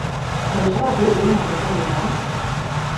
Vai es varētu, lūdzu, runāt ar Žanu Reno?